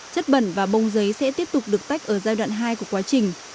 chất bẩn và bông giấy sẽ tiếp tục được tách ở giai đoạn hai của quá trình